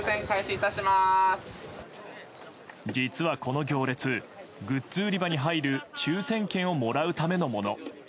実はこの行列グッズ売り場に入る抽選券をもらうためのもの。